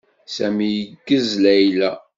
Sami yeggez Layla.